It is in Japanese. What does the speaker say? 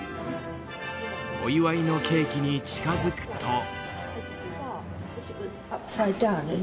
お祝いのケーキに近づくと。